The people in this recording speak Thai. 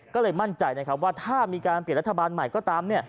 ก็เลยมั่นใจนะครับว่าถ้ามีการเปลี่ยนรัฐบาลใหม่ก็ตาม